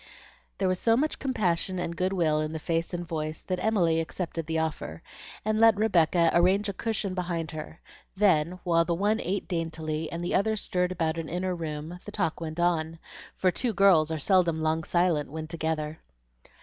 There was so much compassion and good will in the face and voice, that Emily accepted the offer, and let Rebecca arrange a cushion behind her; then, while the one ate daintily, and the other stirred about an inner room, the talk went on, for two girls are seldom long silent when together.